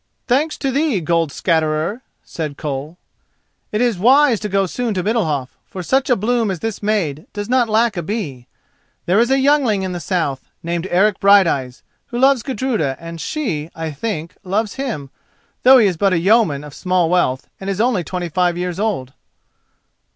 "Thanks to thee, Gold scatterer," said Koll. "It is wise to go soon to Middalhof, for such a bloom as this maid does not lack a bee. There is a youngling in the south, named Eric Brighteyes, who loves Gudruda, and she, I think, loves him, though he is but a yeoman of small wealth and is only twenty five years old."